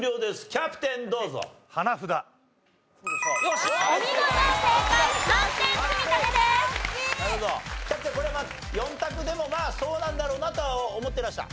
キャプテンこれは４択でもそうなんだろうなとは思ってらした？